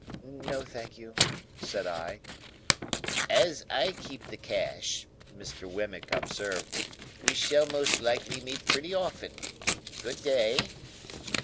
"No, thank you," said I. "As I keep the cash," Mr. Wemmick observed, "we shall most likely meet pretty often. Good day."